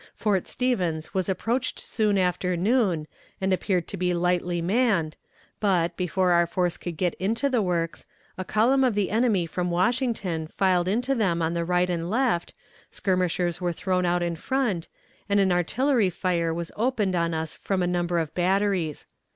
Fort Stevens was approached soon after noon, and appeared to be lightly manned, but, before our force could get into the works, a column of the enemy from Washington filed into them on the right and left, skirmishers were thrown out in front, and an artillery fire was opened on us from a number of batteries.